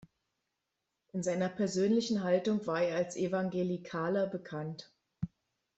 In seiner persönlichen Haltung war er als Evangelikaler bekannt.